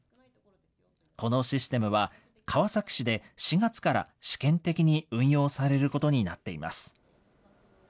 このシステムは、川崎市で４月から試験的に運用されることになっています。